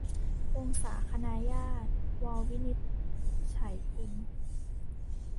วงศาคณาญาติ - ว วินิจฉัยกุล